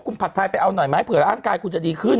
คุณผัดไทยไปเอาหน่อยไหมเผื่อร่างกายคุณจะดีขึ้น